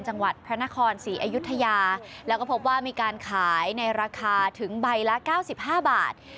จังหวัดพระนครศรีอยุธยาแล้วก็พบว่ามีการขายในราคาถึงใบละ๙๕บาท